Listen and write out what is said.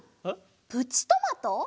プチトマト？